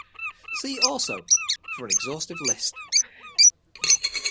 See also: for an exhaustive list.